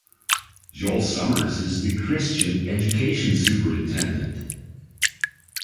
Joel Summers is the Christian education Superintendent.